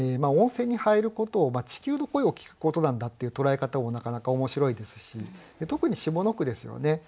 温泉に入ることを地球の声を聴くことなんだっていう捉え方もなかなか面白いですし特に下の句ですよね。